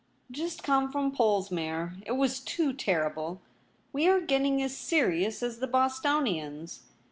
' Just come from Polesmere. It was too terrible. We are getting as serious as the Bostonians.